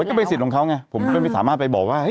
ก็เป็นสิทธิ์ของเขาไงผมก็ไม่สามารถไปบอกว่า